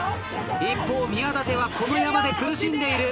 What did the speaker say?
一方宮舘はこの山で苦しんでいる。